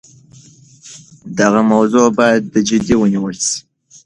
دغه موضوع باید جدي ونیول سي.